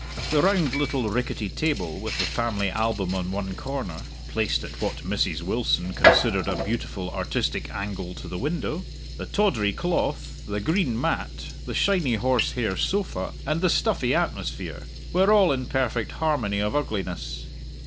The round little rickety table with the family album on one corner (placed at what Mrs. Wilson considered a beautiful artistic angle to the window), the tawdry cloth, the green mat, the shiny horsehair sofa, and the stuffy atmosphere, were all in perfect harmony of ugliness.